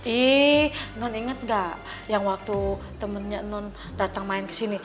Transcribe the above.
ih non inget gak yang waktu temennya non datang main ke sini